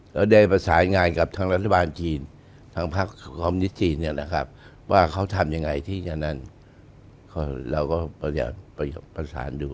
แล้วได้ประสานงานกับทางรัฐบาลจีนทางภาคคอมมิตจีนเนี่ยนะครับว่าเขาทำยังไงที่จะนั่นเราก็อยากประสานดู